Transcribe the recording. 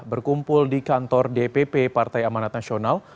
berkumpul di kantor dpp partai amanat nasional